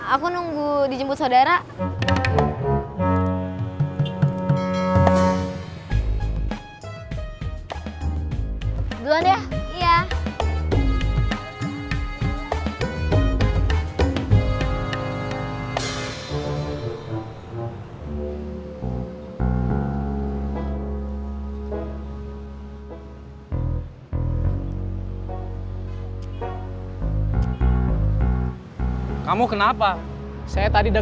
aku nunggu dijemput saudara